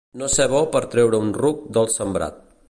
No ser bo per treure un ruc del sembrat.